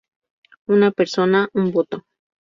Una persona, un voto.